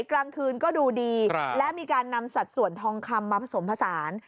กลางคืนก็ดูดีและมีการนำสัดส่วนทองคำมาผสมผสาน